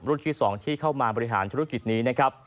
ที่๒ที่เข้ามาบริหารธุรกิจนี้นะครับ